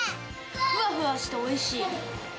ふわふわしておいしい。